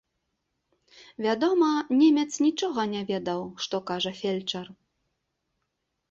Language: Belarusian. Вядома, немец нічога не ведаў, што кажа фельчар.